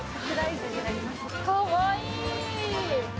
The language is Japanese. かわいい！